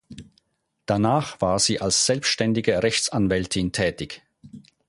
Danach war sie als selbständige Rechtsanwältin tätig.